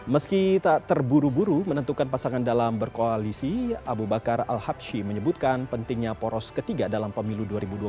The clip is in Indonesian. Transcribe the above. meski tak terburu buru menentukan pasangan dalam berkoalisi abu bakar al habshi menyebutkan pentingnya poros ketiga dalam pemilu dua ribu dua puluh